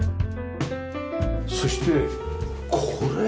そしてこれは？